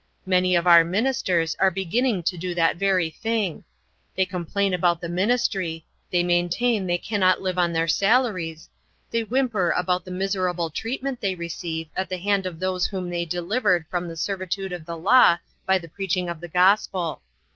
Many of our ministers are beginning to do that very thing. They complain about the ministry, they maintain they cannot live on their salaries, they whimper about the miserable treatment they receive at the hand of those whom they delivered from the servitude of the law by the preaching of the Gospel.